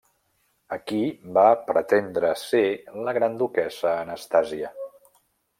Aquí va pretendre ser la Gran duquessa Anastàsia.